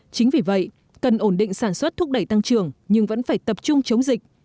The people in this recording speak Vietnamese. chính vì vậy cần ổn định sản xuất thúc đẩy tăng trưởng nhưng vẫn phải tập trung chống dịch